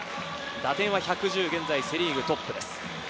打点は１１０、現在セ・リーグトップです。